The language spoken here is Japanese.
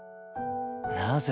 なぜ？